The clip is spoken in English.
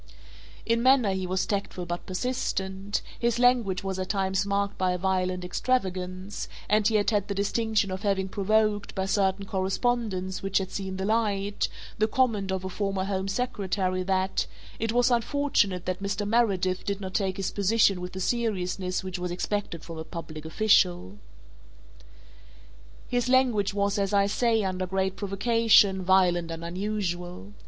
In manner he was tactful but persistent, his language was at times marked by a violent extravagance and he had had the distinction of having provoked, by certain correspondence which had seen the light, the comment of a former Home Secretary that "it was unfortunate that Mr. Meredith did not take his position with the seriousness which was expected from a public official." His language was, as I say, under great provocation, violent and unusual.